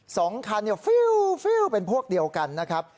สองคันเนี่ยฟิวเป็นพวกเดียวกันนะครับ